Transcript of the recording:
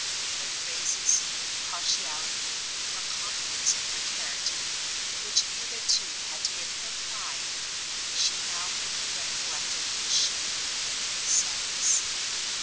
Her praises, her partiality, her confidence in her character, which hitherto had been her pride, she now only recollected with shame and with sadness.